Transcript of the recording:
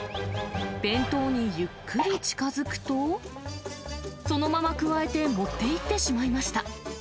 弁当にゆっくり近づくと、そのままくわえて、持っていってしまいました。